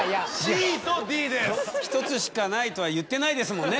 １つしかないとは言ってないですもんね。